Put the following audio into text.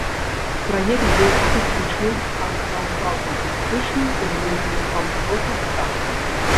Праект быў акустычным, а стаў цалкам электрычным, з элементамі панк-рока, ска.